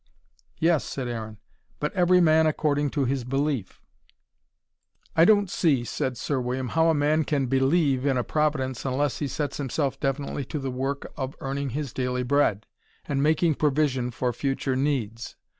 "Yes," said Aaron. "But every man according to his belief." "I don't see," said Sir William, "how a man can BELIEVE in a Providence unless he sets himself definitely to the work of earning his daily bread, and making provision for future needs.